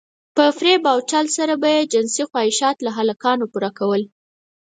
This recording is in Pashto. په فريب او چل سره به يې جنسي خواهشات له هلکانو پوره کول.